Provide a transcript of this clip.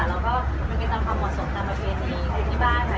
แล้วก็มันเป็นตามความเหมาะสมตามประเพณีของที่บ้านค่ะ